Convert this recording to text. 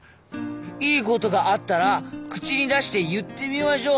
「いいことがあったら口に出して言ってみましょう」。